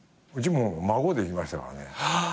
うちもう孫できましたからね。